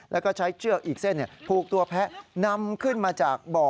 แล้วก็ใช้เชือกอีกเส้นผูกตัวแพ้นำขึ้นมาจากบ่อ